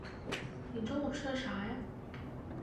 你中午吃的啥啊？